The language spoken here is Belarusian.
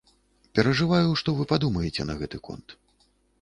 Перажываю, што вы падумаеце на гэты конт.